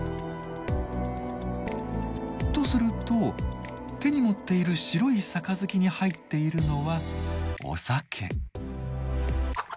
とすると手に持っている白い杯に入っているのはお酒。